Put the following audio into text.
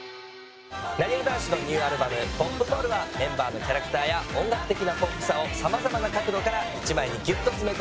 なにわ男子のニューアルバム『ＰＯＰＭＡＬＬ』はメンバーのキャラクターや音楽的なポップさをさまざまな角度から１枚にギュッと詰め込んだ